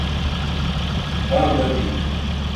بانہہ بَدھی